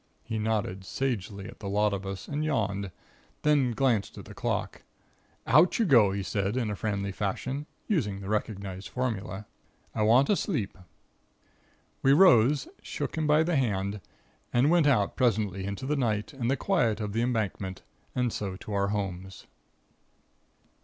He nodded sagely at the lot of us and yawned, then glanced at the clock. "Out you go!" he said, in friendly fashion, using the recognized formula. "I want a sleep." We rose, shook him by the hand, and went out presently into the night and the quiet of the Embankment, and so to our homes.